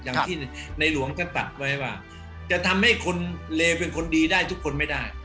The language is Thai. อย่างที่ในหลวงก็ตัดไว้ว่าจะทำให้คนเลวเป็นคนดีได้ทุกคนไม่ได้